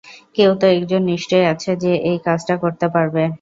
কেউ তো একজন নিশ্চয় আছে, যে এই কাজ টা করতে পারবে!